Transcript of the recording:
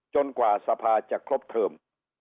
กว่าสภาจะครบเทิม